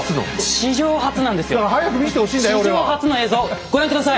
史上初の映像ご覧下さい！